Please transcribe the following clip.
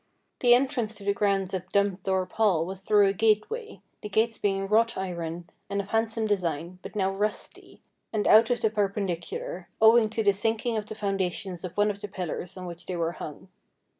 The entrance to the grounds of Dum thorpe Hall was through a gateway, the gates being wrought iron, and of a handsome design, but now rusty, and out of the perpendicular, owing to the sinking of the foundations of one of the pillars on which they were hung.